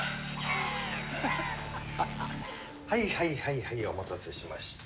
はいはいはいはいお待たせしました。